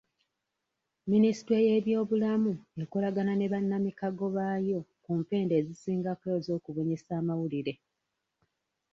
Minisitule y'ebyobulamu ekolagana ne bannamikago baayo ku mpenda ezisingako ez'okubunyisa amawulire.